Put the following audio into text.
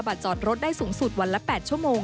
จอดรถได้สูงสุดวันละ๘ชั่วโมง